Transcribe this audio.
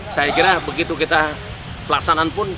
saya kira begitu kita pelaksanaan pun